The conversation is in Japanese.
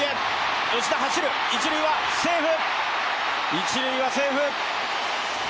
一塁はセーフ。